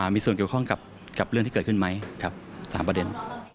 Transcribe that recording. มีส่วนเกี่ยวข้องกับเรื่องที่เกิดขึ้นไหมกับ๓ประเด็น